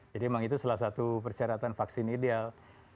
jadi memang itu salah satu persyaratan vaksin ideal